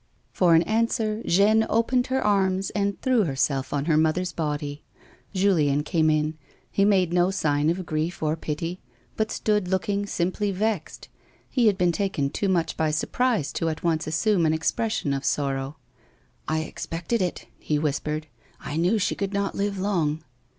For all answer Jeanne opened her arms, and threw her self on her mother's body. Julien came in. He made no sign of grief or pity, but stood looking simply vexed : he had been taken too much by surprise to at once assume an expression of sorrow. " I expected it," he whispered. " I knew she could not live long."